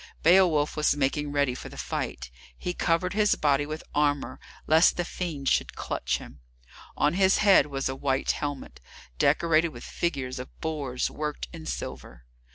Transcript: Beowulf was making ready for the fight. He covered his body with armour lest the fiend should clutch him. On his head was a white helmet, decorated with figures of boars worked in silver.